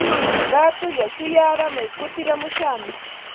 Raatulla shuyaaramay kutiramushaqmi.